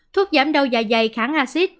thuốc giảm đầu dạ dày kháng acid